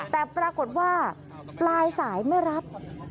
แต่ปรากฏว่าปลายสายไม่รับ